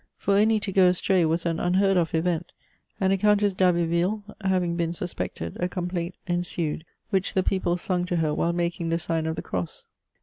For any to go astray was an unheard of event, and a Countess d' Abbeville having been suspected, a complaint ensued, which the people sung to her while making the sign of the cross.